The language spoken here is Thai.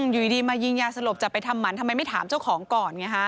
อยู่ดีมายิงยาสลบจะไปทำหมันทำไมไม่ถามเจ้าของก่อนไงฮะ